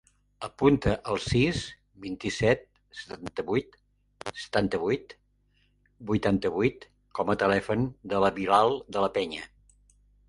Apunta el sis, vint-i-set, setanta-vuit, setanta-vuit, vuitanta-vuit com a telèfon del Bilal De La Peña.